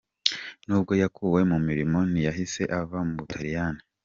Nubwo yakuwe mu mirimo, ntiyahise ava mu Butaliyani.